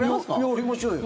やりましょうよ。